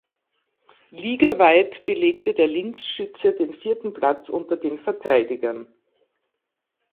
Ligaweit belegte der Linksschütze den vierten Platz unter den Verteidigern.